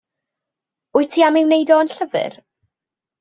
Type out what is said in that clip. Wyt ti am ei wneud o yn llyfr?